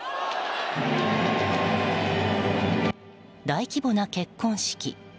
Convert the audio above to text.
大規模な結婚式。